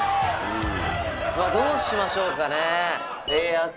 どうしましょうかね。